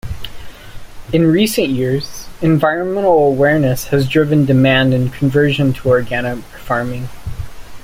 In recent years, environmental awareness has driven demand and conversion to organic farming.